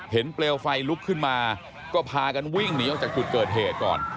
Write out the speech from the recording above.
เปลวไฟลุกขึ้นมาก็พากันวิ่งหนีออกจากจุดเกิดเหตุก่อน